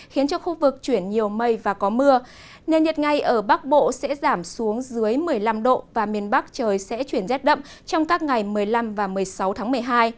khiến cho khu vực chuyển nhiều mây và có mưa nền nhiệt ngay ở bắc bộ sẽ giảm xuống dưới một mươi năm độ và miền bắc trời sẽ chuyển rét đậm trong các ngày một mươi năm và một mươi sáu tháng một mươi hai